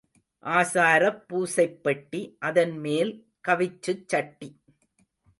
ஆசாரப் பூசைப்பெட்டி அதன்மேல் கவிச்சுச் சட்டி.